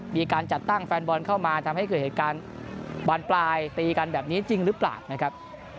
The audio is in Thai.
มีการจัดตั้งแฟนบอลเข้ามาทำให้เกิดเหตุการณ์บานปลายตีกันแบบนี้จริงหรือเปล่านะครับ